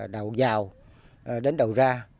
đầu giàu đến đầu ra